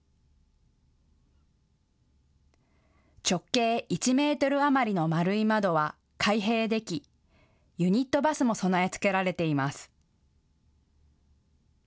直径１メートル余りの丸い窓は開閉できユニットバスも備え付けられています。